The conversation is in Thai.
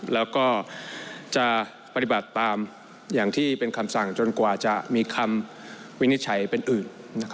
แล้วก็จะปฏิบัติตามอย่างที่เป็นคำสั่งจนกว่าจะมีคำวินิจฉัยเป็นอื่น